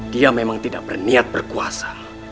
dia memang tidak berniat berkuasa